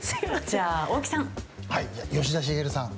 じゃあ大木さん。